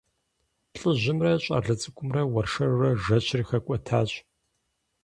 ЛӀыжьымрэ щӀалэ цӀыкӀумрэ уэршэрурэ жэщыр хэкӀуэтащ.